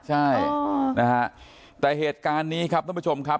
ใช่นะฮะแต่เหตุการณ์นี้ครับท่านผู้ชมครับ